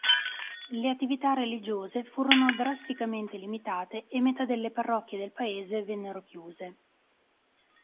Le attività religiose furono drasticamente limitate e metà delle parrocchie del paese vennero chiuse.